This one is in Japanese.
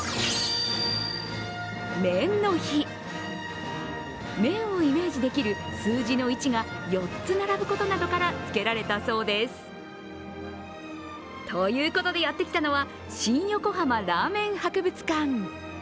麺の日、麺をイメージできる数字の１が４つ並ぶことなどからつけられたそうです。ということでやってきたのは新横浜ラーメン博物館。